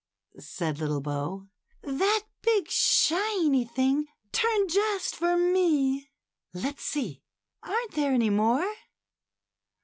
said little Bo; "that big shiny thing turned just for me. Let's see; aren't there any more?"